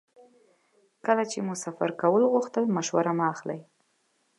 کله چې مو سفر کول غوښتل مشوره مه اخلئ.